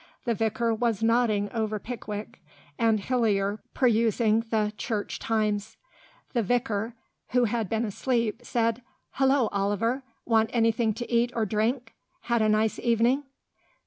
The vicar was nodding over Pickwick, and Hillier perusing the Church Times. The vicar, who had been asleep, said, "Hullo, Oliver. Want anything to eat or drink? Had a nice evening?"